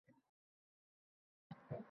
Oyim kuladi.